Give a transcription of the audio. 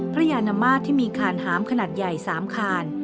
พระยานาม่าที่มีขานหามขนาดใหญ่สามคาญ